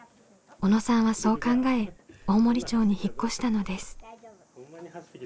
小野さんはそう考え大森町に引っ越したのです。